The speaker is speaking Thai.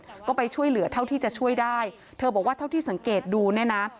แล้วก็ไปช่วยเหลือเท่าที่จะช่วยได้เธอบอกว่าเท่าที่สังเกตดูเนี่ยนะ